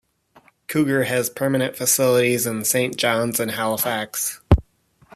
Cougar has permanent facilities in Saint John's and Halifax.